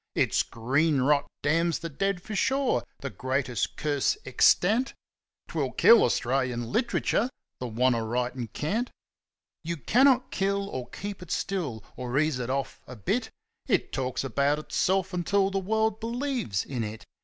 Its green rot damns the dead, for sure—that greatest curse extant, 'Twill kill Australian literature, the Wantaritencant! You cannot kill or keep It still, or ease It off a bit; It talks about Itself until the world believes in It.